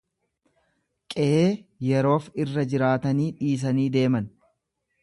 qeyee yeroof irra jiraatanii dhiisanii deeman.